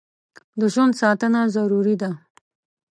د ژوند ساتنه ضروري ده.